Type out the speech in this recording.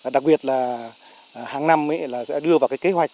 đặc biệt hàng năm sẽ đưa vào kế hoạch